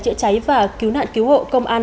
chữa cháy và cứu nạn cứu hộ công an